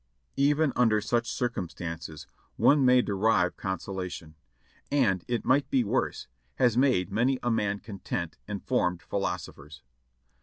Even under such circumstances one may derive consolation, and "it might be worse" has made many a man content and formed philosophers.